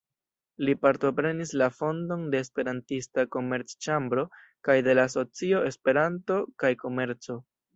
Li partoprenis la fondon de "Esperantista Komerc-ĉambro" kaj de la asocio "Esperanto kaj komerco".